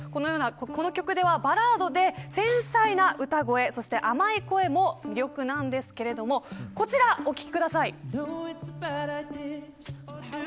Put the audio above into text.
この曲ではバラードで繊細な歌声そして甘い声も魅力なんですけれどもこちら、お聞きください。